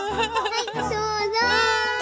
はいどうぞ。